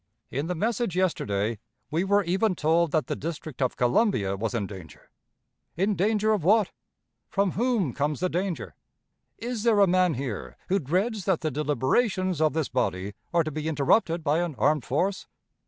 In the message yesterday, we were even told that the District of Columbia was in danger. In danger of what? From whom comes the danger? Is there a man here who dreads that the deliberations of this body are to be interrupted by an armed force?